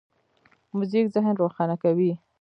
موزیک ذهن روښانه کوي.